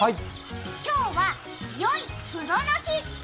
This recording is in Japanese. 今日は、よい風呂の日。